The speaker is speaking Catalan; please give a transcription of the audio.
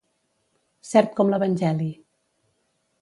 Cert com l'Evangeli.